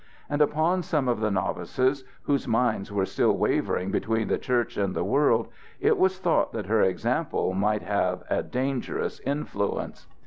And upon some of the novices, whose minds were still wavering between the Church and the world, it was thought that her example might have a dangerous influence.